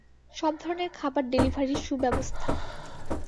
সবধরনের খাবার ডেলিভারির সুব্যবস্থা।